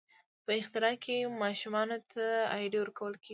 په اختر کې ماشومانو ته ایډي ورکول کیږي.